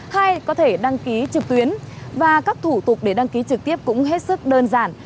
hai có thể đăng ký trực tuyến và các thủ tục để đăng ký trực tiếp cũng hết sức đơn giản